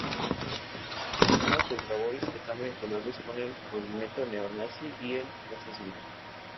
Algunos Ultra Boys están vinculados con el movimiento neonazi y el fascismo.